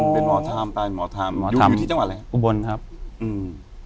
เป็นหมอธรรมตาเป็นหมอธรรมหมอธรรมอยู่ที่จังหวัดอะไรครับอุบลครับอืม